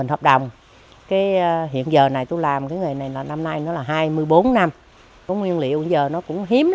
không hề đơn độc